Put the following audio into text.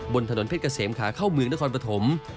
บนถนนเพชรเกษมขาเข้าเมืองนครปฐม